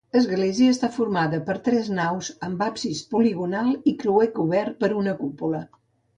Església està formada per tres naus amb absis poligonal i creuer cobert per una cúpula.